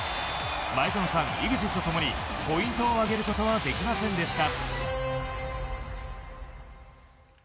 前園さん、ＥＸＩＴ共にポイントを上げることはできませんでした。